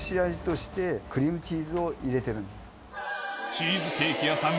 チーズケーキ屋さん